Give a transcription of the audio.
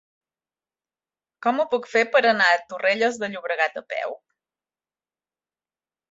Com ho puc fer per anar a Torrelles de Llobregat a peu?